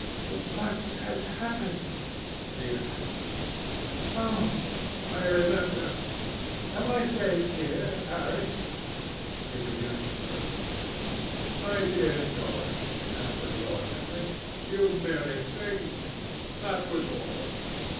"What has happened?" he asked. "Oh! I remember. Am I safe here, Harry?" He began to tremble. "My dear Dorian," answered Lord Henry, "you merely fainted. That was all.